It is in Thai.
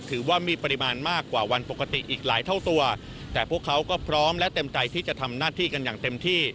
ถือว่ามีปริมาณมากกว่าวันปกติอีกหลายเท่าตัวแต่พวกเขาก็พร้อมและเต็มใจที่จะทำหน้าที่กันอย่างเต็มที่